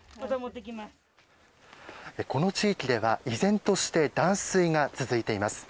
この地域では依然として断水が続いています。